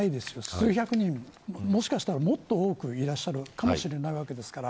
数百人、もしかしたらもっと多くいらっしゃるかもしれないわけですから。